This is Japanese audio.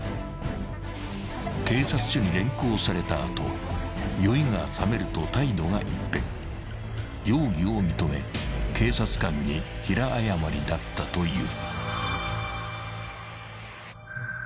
［警察署に連行された後酔いがさめると態度が一変容疑を認め警察官に平謝りだったという］